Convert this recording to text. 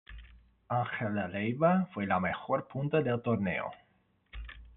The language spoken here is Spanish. Ángela Leyva fue la mejor punta del torneo.